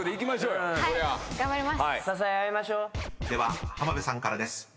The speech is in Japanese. ［では浜辺さんからです］